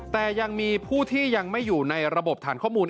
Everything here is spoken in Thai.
แต่ยังมีผู้ที่ยังไม่อยู่ในระบบฐานข้อมูล